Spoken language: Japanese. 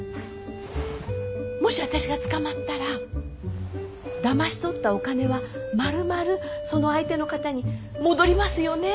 もし私が捕まったらだまし取ったお金は丸々その相手の方に戻りますよね？